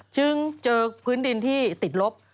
จึงเจอพื้นดินที่ติดลบ